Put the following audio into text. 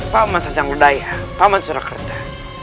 paman sajang ledaya paman surakerta